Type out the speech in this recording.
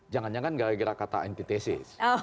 jangan jangan gara gara kata antitesis